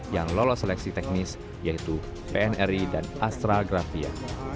yang lolos seleksi teknis yaitu pnri dan astragrafia